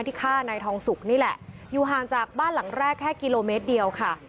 ที่ฆ่านายทองสุกนี่แหละอยู่ห่างจากบ้านหลังแรกแค่กิโลเมตรเดียวค่ะ